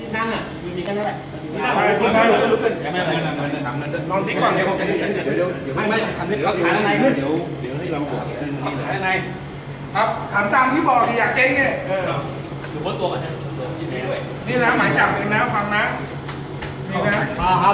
นั่งอ่ามีนนะว่ะ